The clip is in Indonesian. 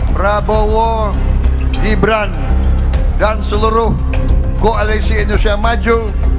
prabowo gibran dan seluruh koalisi indonesia maju